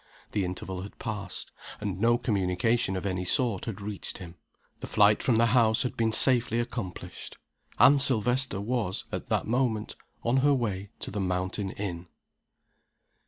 The interval had passed and no communication of any sort had reached him. The flight from the house had been safely accomplished. Anne Silvester was, at that moment, on her way to the mountain inn.